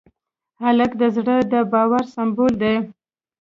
هلک د زړه د باور سمبول دی.